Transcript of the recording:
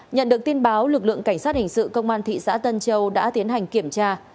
nhận được tin báo lực lượng cảnh sát hình sự công an thị xã tân châu đã tiến hành kiểm tra